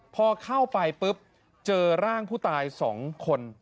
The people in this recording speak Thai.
พอเข้าไปปุ๊บเจอร่างผู้ตาย๒คน